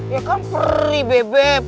ya kan perih bebe